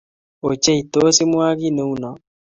Ochei! Tos imwa kiy neuno